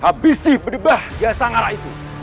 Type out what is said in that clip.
habisi berdebah jaya sangara itu